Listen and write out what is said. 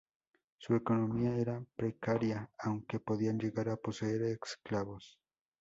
Su economía era precaria, aunque podían llegar a poseer esclavos.